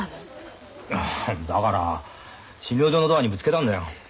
だから診療所のドアにぶつけたんだよ。